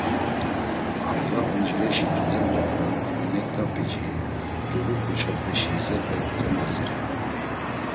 Andğa, oncireşi tudendo do neǩnap̌ici, tzulu ǩuçxepeşi izepe komazirey.